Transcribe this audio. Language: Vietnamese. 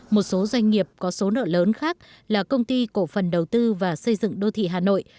một số doanh nghiệp có số nợ lớn khác là công ty cổ phần đầu tư và xây dựng đô thị hà nội